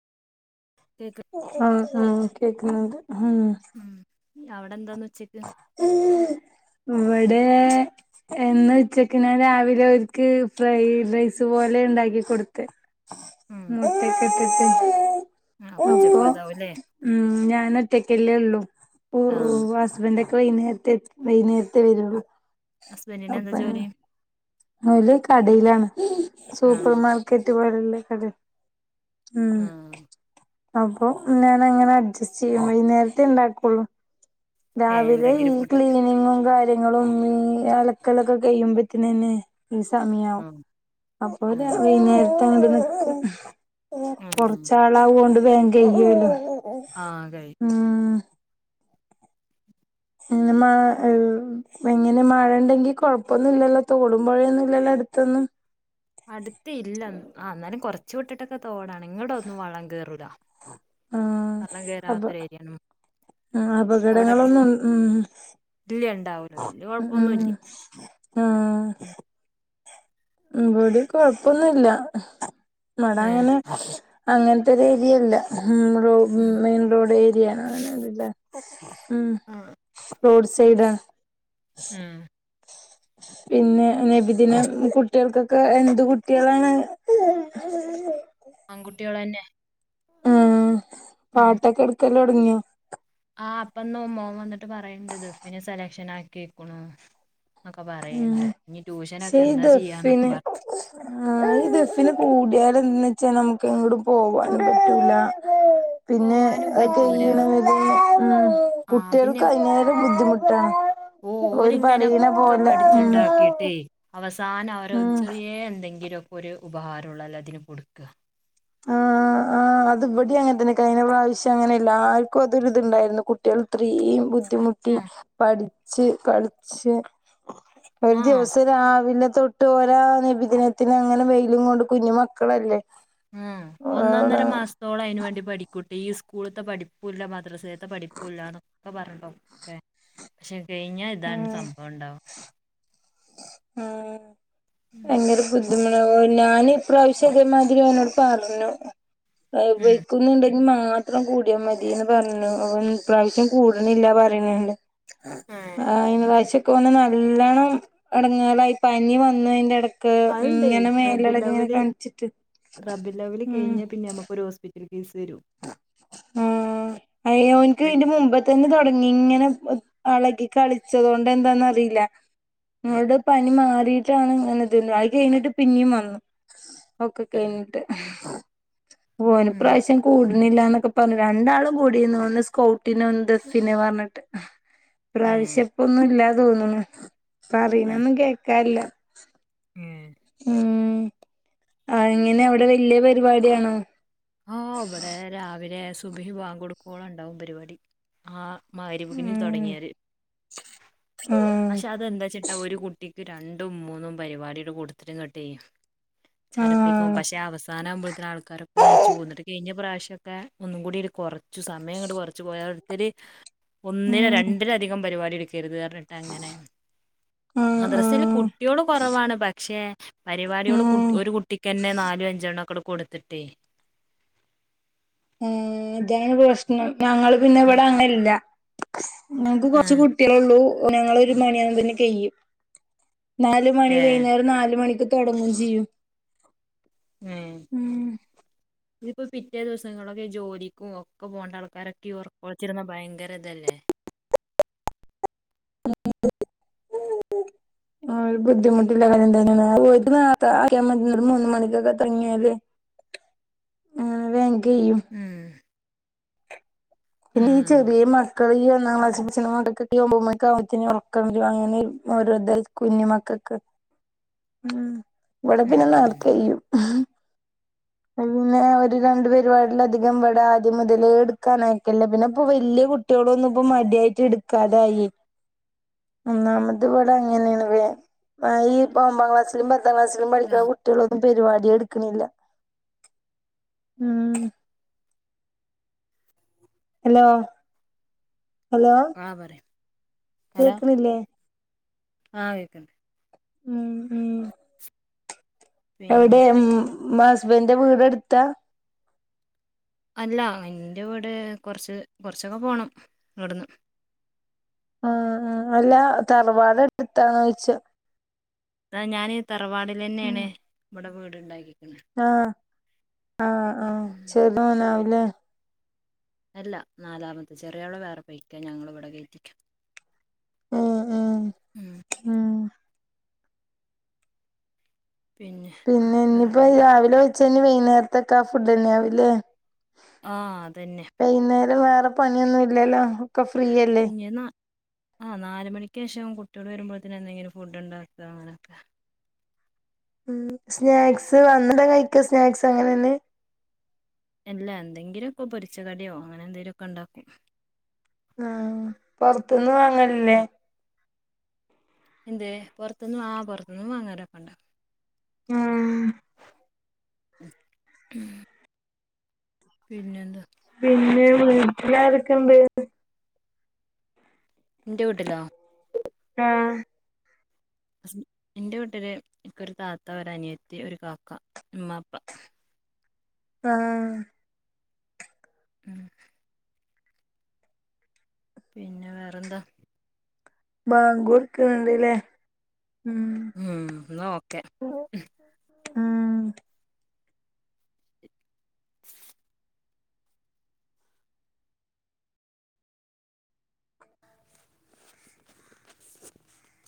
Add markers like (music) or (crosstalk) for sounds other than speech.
Cake ആ ആ കേക്കുന്നുണ്ട് ഉം ഉം അവിടെ എന്താന്ന് വ (inaudible) ഇവിടെ എന്ന ഉച്ചക്ക് നാ രാവിലെവർക്ക് ഫ്രൈ റൈസ് പോലെ ഉണ്ടാക്കി കൊടുത്ത് ഉം (inaudible) മുട്ടേ ക്ക്ട്ട് (inaudible) അപ്പൊ ഉച്ചക്കും അതാവുംല്ലേ ഉം ഞാൻ ഒറ്റക്കല്ലേ ഉള്ളു ആഹ് (unintelligible) ഇതൊക്കെ വൈകുന്നേരത്തെ വൈകുന്നേരത്തെ വരുള്ളൂ ഹസ്ബൻറിന് എന്താ അപ്പ ജോലി ഓല് കടീലാണ് സൂപ്പർ ആഹ് മാർക്കറ്റ് പൊലെയുള്ള കട ഉം ആഹ് (unintelligible) അപ്പൊ ഞാനങ്ങനെ അഡ്ജസ്റ്റ് ചെയ്യും. വൈന്നേരത്തെ ഇണ്ടാക്കുള്ളു ഏഹ് രാവിലെ എന്തെങ്കിലും ഈ ഫുഡൊക്കെ ക്ലീനിങ്ങും കാര്യങ്ങളും ഈ അലക്കലൊക്കെ കഴിയുമ്പത്തന് ന്നെ ഈ സമയാവും ആഹ് അപ്പോല് ആഹ് (inaudible) വൈന്നേര (unintelligible) ആഹ് കൊറച്ചാളാവോണ്ട് വേം കയ്യല്ലോ ആഹ കൈയും (unintelligible) പിന്നെ എങ്ങനെ മഴ ഉണ്ടെങ്കി കൊഴപ്പൊന്നുംല്ലല്ലോ തോടുമ്പോഴേൊന്നുംല്ലല്ലോ അടുത്തന്നും അടുത്ത ഇല്ല ആ എന്നാലും കൊർച്ച് വിട്ടിട്ടൊക്കെ തോടാണ്. ഇങ്ങട്ടൊന്നും വള്ളം കേറൂല ള്ളം കേറാത്തൊരു ഏരിയാണ് ആ അവിടൊക്കെ അപകടങ്ങളൊന്നും ഉം ഉം ഇല്ല ഉണ്ടാവൂല ഉ വല്യ കൊഴപ്പൊന്നുല്ല ഉ ആഹ് ബ്ബടെ കൊഴപ്പൊന്നുല്ല ഏഹ് ബടങ്ങനെ അങ്ങനത്തെ രീതിയല്ല ഉം മെയിൻ റോഡ് ഏരിയാണ് അങ്ങനെയന്നൂല ഉം ആഹ് റോഡ് സൈഡ ഉം (inaudible) ഉം പിന്നെ നബിദിന കുട്ട കുട്ട്യൾക്കൊക്കെ എന്ത് കുട്ടിയാളാണ്. ആൺകുട്ടികൾന്നെ ഉം പാട്ടൊക്കെ എടുക്കലോൽടങ്ങിയാ ആ അപ്പൊന്ന് മോൻ വന്നിട്ട് പറയണ്ട് ദുഫെ സെലക്ഷൻ ആക്കീക്കേണു ശേ ചെയ്യാന്നൊക്കെ ദഫിന് പറ ആ ദഫിന് കൂട്യാ എന്ത വെച്ചാ നമുക്ക് എങ്ങോട്ടും (inaudible) പോവാൻ പറ്റൂല പിന്നെ പോവാനും അതൊ പറ്റൂല ക്കയ്യണ വരെ ആ പിന്നെ കുട്ട്യൾക്ക് അയ്ലേറ ബുദ്ധിമുട്ടാണ്. ഓരു പറീണ ഓരിങ്ങനൊക്കെ പോലെ ഉം പഠിച്ചുണ്ടാക്കിട്ടേ അവസാനം അവരോ ഉം ചെറിയ എന്തെങ്കിലും ഒരു ഉപഹാരം ഉള്ളോ അതിന് കൊടുക്കുക. ആ ആ അത് ഇവെടി അങ്ങൻതന്നെ കയ്ഞ്ഞറാവശ്യം അങ്ങനെയല്ലാർക്കും അതൊരിത്ണ്ടായിരുന്നു കുട്ടികൾ ഇത്രേ ത്രയും ബുദ്ധിമുട്ടി പഠിച്ച് കള്ളിച്ചേ ഒരു ആ ആ ദിവസം രാവിലെ തൊട്ട് പോരാ നബിദിനത്തിന് അങ്ങനെ വെയിലും കൊണ്ട് കുഞ്ഞുമക്ക മക്കളല്ലേ ഉ ഒന്നൊന്നര അവള് മാസത്തോളം അതിന് വേണ്ടി പഠിക്കൂട്ടും ഈ സ്കൂളത്തെ പഠിപ്പൂല്ല മദ്രസയത്തെ പഠിപ്പൂല്ലന്നൊക്കെ പറഞ്ഞോ (unintelligible) പക്ഷെ കഴിഞ്ഞാ ഉം ഇതാണ് സംഭവം ഇണ്ടാവും ആഹ് (unintelligible) (unintelligible) ഞാന് ഇപ്രാവശ്യം അതേമാതിരി അവനോട് പറഞ്ഞു ഉം പയോഗിക്കുന്നുണ്ട ഞ് മാത്രം കൂടിയാൽ മതിന്ന് പറഞ്ണ് അവ ഇപ്രാവശ്യം കൂടണില്ല പറയണണ്ട് ആഹ് ന പ്രാവ്ച ക്കെ വന്ന്ണ് നല്ലണ്ണം ഇടങ്ങലായി പനി വന്നു അയ്ന്റെ ഇട ക്കെ അതുണ്ടേ ഇങ്ങനെ മേലളക്കി ഇങ്ങനെ റബിലവല് കാണിച്ചിട്ട് റബിലവല് ഉം കഴിഞ്ഞാൽ പിന്നെ (unintelligible) ആഹ് അയോൻക്ക് ഇന്റെ മുമ്പ് തന്നെ തുടങ് നിങ്ങനെ അളകി കളിച്ചതൊണ്ട് എന്താന്നറിയില്ല ങ്ങളുടെ പനി മാറിട്ടാണ് ഇങ്ങനെത് അയി കഴിഞ്ഞിട്ട് പിന്നെയും വന്നു അഓക്കെ കഴിഞ്ഞിട്ട് പോഓന് ഉം പ്രാവശ്യം കുടുന്നില്ലന്നൊക്കെ പറഞ്ഞു രണ്ടാളും കൂടീന്നു ഒന്ന് സ്കൗട്ടിനുണ്ട് പിന്നെ പർഞ്ട്ട് ഏഹ് പ്രാവശ്യപ്പൊന്നും ഇല്ലാ തോന്നണ ഏഹ് പറീണന്നും കേക്കാല്ല ഏഹ് ഉം ആഹ് ഇങ്ങനെ അവിടെ വല്യ പരിപാടിയാണോ ആഹ് ഇവിടെ രാവിലെ സുബഹ് വാൻ കൊടുക്കോള ണ്ടാവും പരിപാടി ആഹ് മഹ്രിപിന് ഉം തുടങ്ങിയാല് ആഹ് പക്ഷെ അതന്താച്ചിട്ടാ ഒരു കുട്ടി ഇ രണ്ടും മൂന്നും പരിപാടിടെ കൂട്‌തില് ങ്ങട്ടേ ചടപ്പിക്കും ആഹ് പക്ഷെ അവസാനാവു മ്പൊതിന് ആൾക്കാരോ ക്കെ നീച്ചു പോന്നിട്ട് കഴിഞ്ഞ പ്രാവശ്യം ഒക്കെ ഒന്നും കൂടി ഒരു കുറച്ചു സമയ ങ്ങട്‌ കുറച്ച് പോയാടുത്തരു ഒന്നില് ഉം രണ്ടിലധികം പരിപാടി എടുക് കരുത് അർഞ്ഞിട്ട് അങ്ങനെ ആഹ് മദ്രസൽ ആഹ് കുട്ടിയോള് കുറവാണ് പക്ഷേ പരിപാടിയൊള് കുട്ട് ആഹ് ഒരു കുട്ടിക്ക്ന്നെ നാലും അഞ്ച്ണംഅങ്ങ്ട് കൊടുത്തിട്ടേ- മ്ഹ് ഇതേണ് പ്രശ്നം ഞങ്ങള് പിന്നെ ആഹ് ഇവിടെ അങ്ങൻല്ല- ഞങ്ങക്ക് കൊറച്ച് ഏഹ് കുട്ടികളേള്ളൂ ഞങ്ങള് ഒരു മണിയാമ്പ്ന്നെ കഴ്യും- നാല് മണി വൈകുന്നേരം നാല് മണിക്ക് തൊടങ്ങും ചെയ്യും- ഏഹ് ഉം ഇതിപ്പോ പിറ്റേ ദിവസങ്ങളൊക്കെ ജോലിക്കും ഒക്കെ പോകണ്ട ആൾക്കാരൊക്കെ ഉർക്ക വിച്ചിരുന്ന ഭയങ്കര ഇതല്ലേ (unintelligible) ആഹ് ബുദ്ധിമുട്ടില്ല മൂന്ന് മണിക്കൊക്കെ (unintelligible) തങ്ങിയാല്- മ്ഹ് കെയ്യും - പിന്നെ ഈ ചെറിയ മക്കള്ല്- (unintelligible) കുഞ്ഞ് മക്കെക്ക്- ഉം ഇവിടെ പിന്നെ ഉം നേർത്തെയ്യും- ഇപ്പപിന്നെ ഒരു രണ്ടു പരിപാടിലധികം ഇവിടെ ആദ്യം മുതലേ എടുക്കാനാക്കില്ല പിന്നെ ഇപ്പൊ വല്യ- കുട്ടികളൊ ഒന്നും ഇപ്പോ മടിയായിട്ട് എടുക്കാതായി- ഒന്നാമത് ഇവിടെ അങ്ങനെയാണ് (unintelligible) ഈ ഒമ്പാം ക്ലാസ്സില് - ദെവസവും അതാ വരുന്ന കുട്ടികളൊന്നും പരിപാടി എടുക്കണില്ല- മ്ഹ് - ഹലോ ഹലോ ആ പറയും കേക്കണില്ലേ? ആഹ് കേക്കണ്ട്- മ് ഹ്- എവിടെ പിന്നെ ഉംമാ ഹസ്ബൻന്റെ വീടെടുത്താ- അല്ല എൻ്റ വീട് കൊറച്ച് കൊറച്ചൊക്കെ പോണം ഇവിടുന്ന്- ആഹ് ആഹ് അല്ലാ തറവാടടുത്തിട്ടാന്ന് ചോയിച്ചാ- ഇതാ ഞാന് തറവാടിലെന്നെണ് ഇവടെ വീട്ണ്ടാക്കി- ആഹ്, ആഹ് ആഹ്, ക്ഷീണം ഉണ്ടാവില്ലേ - അല്ല നാലാമത്തെ ചെറിയാള് വേറെപൊയ്ക്ക ഞങ്ങള് ഇവിടെ വെയ്പികും - ആഹ് ആഹ് ഉം പിന്നെ ഇനിപ്പോ വേറെന്താ രാവിലെ വെച്ചന്നെ വൈന്നേരത്തെക് ആ ഫുഡ്ന്നെ ആവുല്ലേ ആഹ് അതന്നെ അപ്പൊ പണിഒന്നും ഇല്ലല്ലോ ഒക്കെ ഫ്രീയല്ലേ ആഹ് നാല് മണിക്ക്ഷാവും കുട്ട്യോള് വരുമ്പോഴത്തിന് എന്തെങ്കിലും ഫുഡ്ണ്ടാക അങ്ങനെ മ്മ് സ്നാക്സ് വന്നിട കഴിക്ക സ്നാക്സ് അങ്ങനന്നെ ഇല്ല എന്തെങ്കിലുക്കെ പൊരിച്ച കടിയോ അങ്ങനെ എന്തെങ്കിലുഓക്കെ ഒണ്ടാക്കും ആഹ് പൊറത്ത്ന്ന് വാങ്ങലില്ലേ എന്തേ പുറത്തുന്നു ആഹ് വാങ്ങാരൊക്കെണ്ട് ഉം പിന്നെന്താ പിന്നെ വീട്ടിലാരൊക്കെണ്ട് വേറെ എന്റെ വീട്ടിലോ ആഹ് ഹസ് എന്റെ വീട്ടില് ഇനിക്ക് ഒരു താത്ത, ഒരു അനിയത്തി, ഒരു കാക്ക, ഉമ്മാ, ഉപ്പാ. ആഹ് ഉം പിന്നെ വേറെന്താ ബാങ്കോട്ക്ണണ്ട്ലേ ഉം എന്നാ ഓകെ ഉം ആഹ്